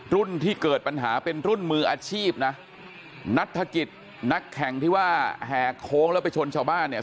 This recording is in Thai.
ที่เกิดปัญหาเป็นรุ่นมืออาชีพนะนัฐกิจนักแข่งที่ว่าแหกโค้งแล้วไปชนชาวบ้านเนี่ย